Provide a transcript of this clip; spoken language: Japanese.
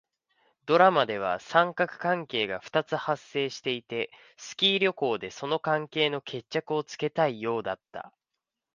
ドラマでは三角関係が二つ発生していて、スキー旅行でその関係の決着をつけたいようだった。